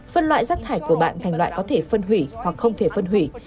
phân loại rác thải của bạn thành loại có thể phân hủy